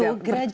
dan itu gradual